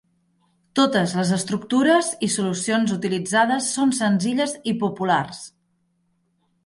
Totes les estructures i solucions utilitzades són senzilles i populars.